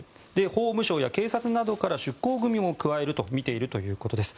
法務省や警察などから出向組も加えるとみているということです。